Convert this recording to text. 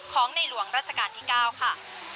ของในหลวงราชการที่๙ค่ะ